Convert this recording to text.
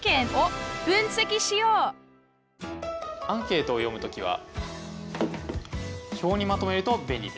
アンケートを読むときは表にまとめると便利です。